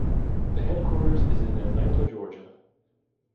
The headquarters is in Atlanta, Georgia.